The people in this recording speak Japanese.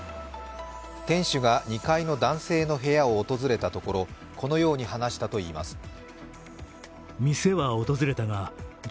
店主が２階の男性の部屋を訪れたところこのように話したということです。